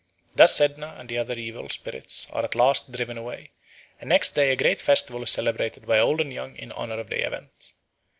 Thus Sedna and the other evil spirits are at last driven away, and next day a great festival is celebrated by old and young in honour of the event.